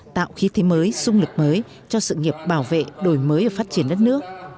tạo khí thế mới sung lực mới cho sự nghiệp bảo vệ đổi mới và phát triển đất nước